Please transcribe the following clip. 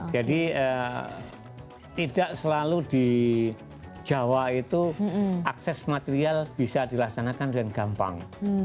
jadi tidak selalu di jawa itu akses material bisa dilaksanakan dengan gampang